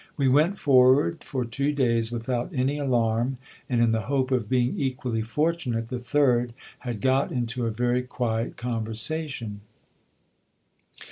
We went forward for two days without any alarm, and in the hope of being equally fortunate the third, had got into a very quiet conversation.